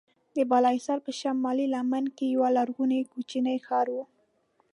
د بالاحصار په شمالي لمنه کې یو لرغونی کوچنی ښار و.